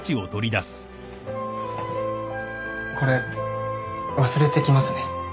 これ忘れてきますね。